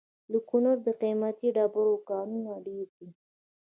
د کونړ د قیمتي ډبرو کانونه ډیر دي